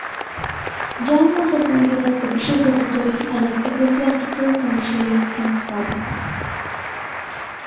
John was appointed as official secretary and as ecclesiastical commissary to his father.